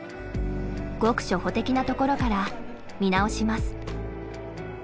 ごく初歩的なところから見直します。